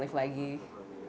masih terombang ambing